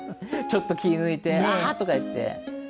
ちょっと気ぃ抜いてああー！とかいって。